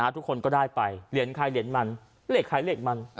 ทุกคนก็ได้ไปเหรียญใครเหรียญมันเหรียญใครเหรียญมัน